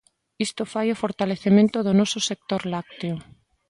Isto fai o fortalecemento do noso sector lácteo.